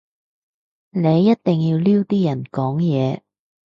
你一定要撩啲人講嘢